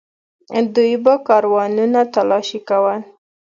دوی به کاروانونه تالاشي کول.